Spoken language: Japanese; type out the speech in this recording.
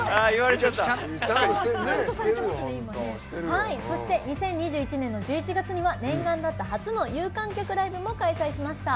はいそして２０２１年の１１月には念願だった初の有観客ライブも開催しました。